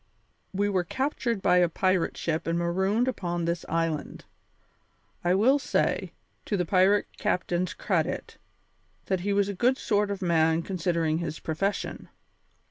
We were captured by a pirate ship and marooned upon this island. I will say, to the pirate captain's credit, that he was a good sort of man considering his profession.